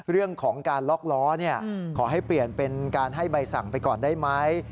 เรื่องของการล็อกล้อขอให้เปลี่ยนเป็นการให้ใบสั่งไปก่อนได้ไหม